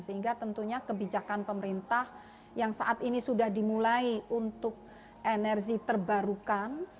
sehingga tentunya kebijakan pemerintah yang saat ini sudah dimulai untuk energi terbarukan